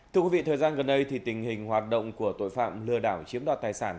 thưa quý vị thời gian gần đây tình hình hoạt động của tội phạm lừa đảo chiếm đoạt tài sản